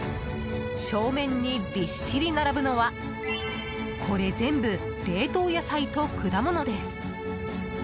正面にびっしり並ぶのはこれ全部、冷凍野菜と果物です。